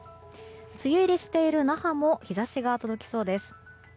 梅雨入りしている那覇も日差しが届きそうです。